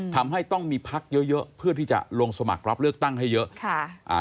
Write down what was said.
ทำให้ต้องมีพักเยอะเยอะเพื่อที่จะลงสมัครรับเลือกตั้งให้เยอะค่ะอ่า